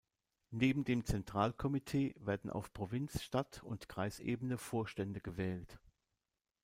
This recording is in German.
Neben dem Zentralkomitee werden auf Provinz-, Stadt- und Kreisebene Vorstände gewählt.